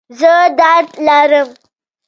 زه درد لرم